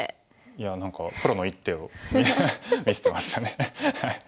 いや何かプロの一手を見せてましたね。